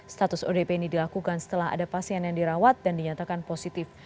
status odp ini dilakukan setelah ada pasien yang dirawat dan dinyatakan positif